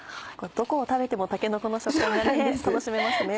どこを食べてもたけのこの食感が楽しめますね。